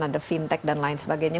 ada fintech dan lain sebagainya